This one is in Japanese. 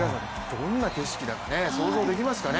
どんな景色だか想像できないですよね。